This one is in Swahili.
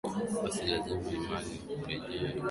Basi laza imani, rejea vitani